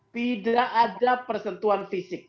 tidak ada persentuhan fisik